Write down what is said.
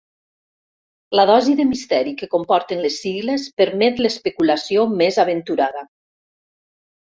La dosi de misteri que comporten les sigles permet l'especulació més aventurada.